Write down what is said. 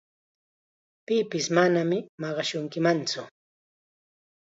Pipis manam maqashunkimantsu.